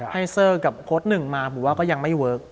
เซอร์กับโค้ดหนึ่งมาผมว่าก็ยังไม่เวิร์ค